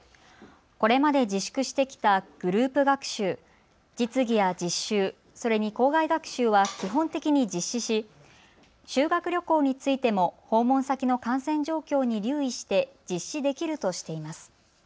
これまで自粛してきたグループ学習、実技や実習、それに校外学習は基本的に実施し、修学旅行についても訪問先の感染状況に留意して実施できるとしています。